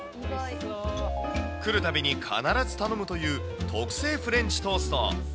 来るたびに必ず頼むという特製フレンチトースト。